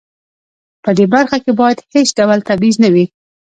په دې برخه کې باید هیڅ ډول تبعیض نه وي.